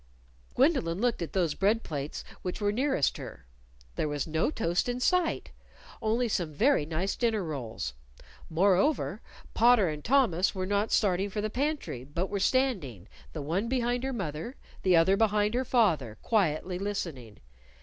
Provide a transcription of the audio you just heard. Gwendolyn looked at those bread plates which were nearest her. There was no toast in sight, only some very nice dinner rolls. Moreover, Potter and Thomas were not starting for the pantry, but were standing, the one behind her mother, the other behind her father, quietly listening.